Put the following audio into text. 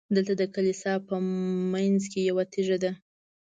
دلته د کلیسا په منځ کې یوه تیږه ده.